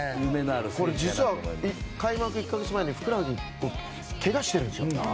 実は開幕１か月前にふくらはぎをけがしてるんですよ。